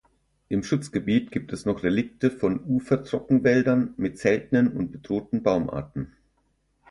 Im Schutzgebiet gibt es noch Relikte von Ufertrockenwäldern mit seltenen und bedrohten Baumarten.